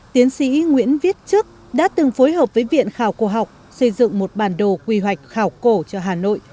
tiến sĩ nguyễn viết chức đã từng phối hợp với viện khảo cổ học xây dựng một bản đồ quy hoạch khảo cổ cho hà nội